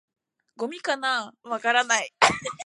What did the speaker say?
「ゴミかな？」「わからない」